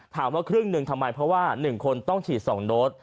ถามว่าครึ่งหนึ่งทำไมเพราะว่า๑คนต้องฉีด๒โดส